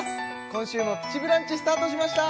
今週も「プチブランチ」スタートしました！